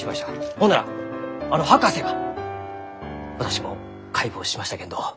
ほんならあの博士が「私も解剖しましたけんどあ